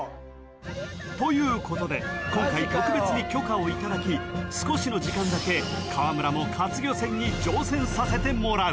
ということで今回特別に許可を頂き少しの時間だけ川村も活魚船に乗船させてもらう］